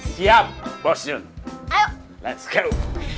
siap bos jun yuk lansker